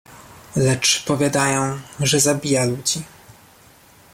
"Lecz powiadają, że zabija ludzi."